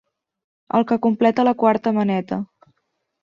El que completa la quarta maneta.